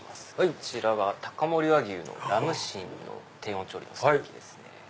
こちらが高森和牛のラムシンの低温調理のステーキですね。